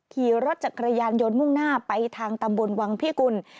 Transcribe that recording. ขี่รถจักรยานยนต์มุ่งหน้าไปทางตำบลวังพิกุล